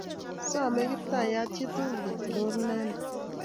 samei kiptaiyat chitukul Kotor inemdet